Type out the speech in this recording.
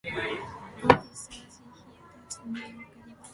On discharge, he attended New York University.